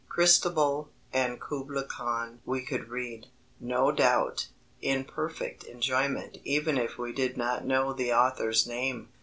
Christabel and Kubla Kahn we could read, no doubt, in perfect enjoyment even if we did not know the author's name.